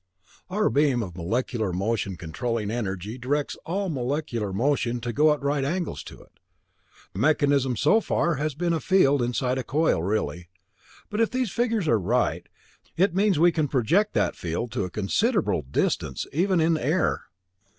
"Our beam of molecular motion controlling energy directs all molecular motion to go at right angles to it. The mechanism so far has been a field inside a coil really, but if these figures are right, it means that we can project that field to a considerable distance even in air.